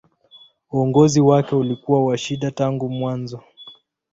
Uongozi wake ulikuwa wa shida tangu mwanzo.